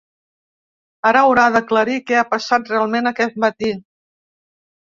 Ara haurà d’aclarir què ha passat realment aquest matí.